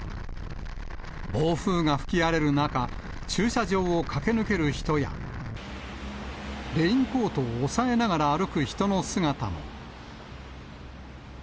暴風が吹き荒れる中、駐車場を駆け抜ける人や、レインコートを押さえながら歩く人の姿も。